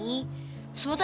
semuanya udah bergerak